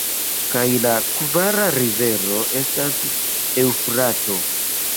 Kaj la kvara rivero estas Eŭfrato.